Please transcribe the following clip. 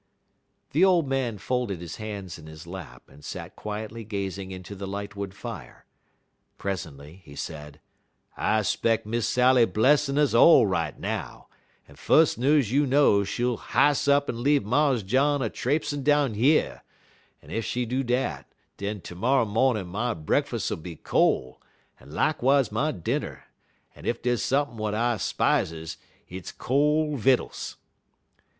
The old man folded his hands in his lap, and sat quietly gazing into the lightwood fire. Presently he said: "I 'speck Miss Sally blessin' us all right now, en fus' news you know she'll h'ist up en have Mars John a trapesin' down yer; en ef she do dat, den ter morrer mawnin' my brekkuss'll be col', en lakwise my dinner, en ef dey's sump'n' w'at I 'spizes hit's col' vittels."